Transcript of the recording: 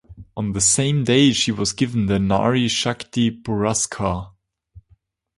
On the same day she was given the Nari Shakti Puraskar.